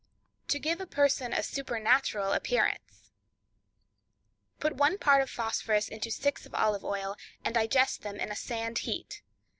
To Give a Person a Supernatural Appearance.—Put one part of phosphorus into six of olive oil, and digest them in a sand heat.